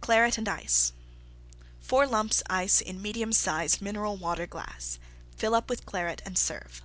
CLARET AND ICE 4 lumps Ice in medium size Mineral Water glass. Fill up with Claret and serve.